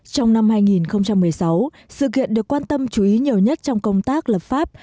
trong năm hai nghìn một mươi sáu sự kiện được quan tâm chú ý nhiều nhất trong công tác lập pháp